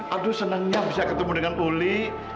aduh senangnya bisa ketemu dengan oli